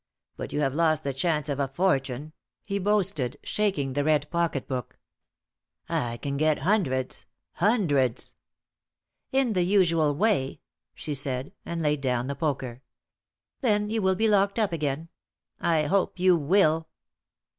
But you have lost the chance of a fortune," he boasted, shaking the red pocket book. "I can get hundreds hundreds." "In the usual way," she said, and laid down the poker. "Then you will be locked up again. I hope you will."